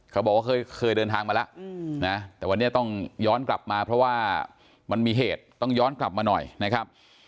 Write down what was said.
เขาบอกว่าเคยเดินทางมาแล้วนะแต่วันนี้ต้องย้อนกลับมาเพราะว่ามันมีเหตุต้องย้อนกลับมาหน่อยนะครับ